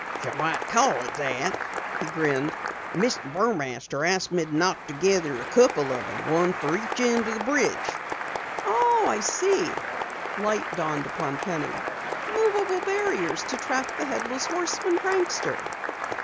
"You might call it that," he grinned. "Mr. Burmaster ordered me to knock together a couple of 'em, one for each end of the bridge." "Oh! I see!" Light dawned upon Penny. "Moveable barriers to trap the Headless Horseman prankster!"